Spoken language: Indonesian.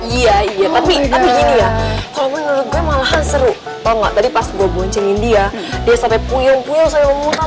iya iya tapi gini ya kalau menurut gue malahan seru tau gak tadi pas gue boncengin dia dia sampai puyong puyong sayang omotan